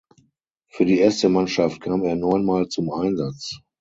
Für die erste Mannschaft kam er neunmal zum Einsatz.